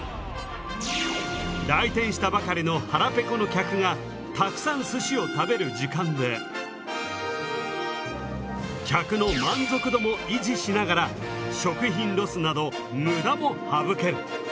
来店したばかりの腹ペコの客がたくさんすしを食べる時間で客の満足度も維持しながら食品ロスなど無駄も省ける。